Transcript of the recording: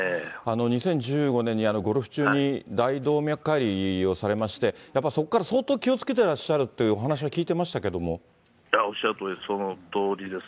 ２０１５年にゴルフ中に大動脈解離をされまして、やっぱそこから相当気をつけてらっしゃるというお話は聞いてましおっしゃるとおりで、そのとおりです。